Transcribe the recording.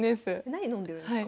何飲んでるんですか？